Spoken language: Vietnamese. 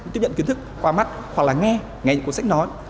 tiếp nhận kiến thức qua mắt hoặc là nghe nghe những cuốn sách nói